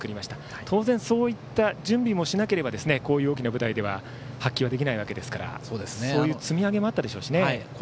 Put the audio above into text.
当然そういった準備もしなければこういう大きな舞台では発揮はできないわけですからそういう積み上げもあったでしょうしね。